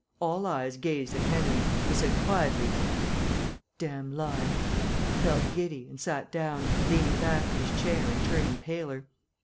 All eyes gazed at Henry, who said quietly, "That is a damned lie," felt giddy, and sat down, leaning back in his chair and turning paler.